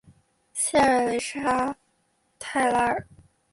谢尔韦沙泰拉尔。